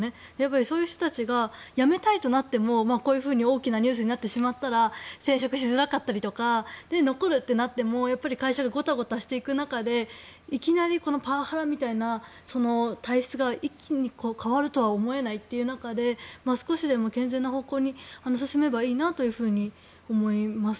そういう人たちが辞めたいとなってもこういうふうに大きなニュースになってしまったら転職しづらかったりとか残るとなっても会社がごたごたしていく中でいきなりパワハラみたいな体質が一気に変わるとは思えないという中で少しでも健全な方向に進めばいいなと思います。